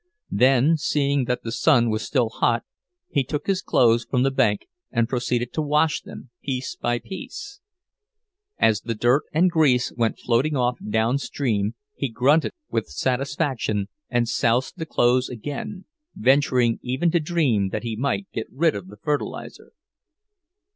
Then, seeing that the sun was still hot, he took his clothes from the bank and proceeded to wash them, piece by piece; as the dirt and grease went floating off downstream he grunted with satisfaction and soused the clothes again, venturing even to dream that he might get rid of the fertilizer.